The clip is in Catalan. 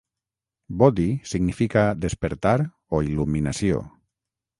"Bodhi" significa "despertar" o "il·luminació".